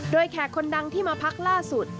โดยแขกคนดังที่มาพักล่าสุด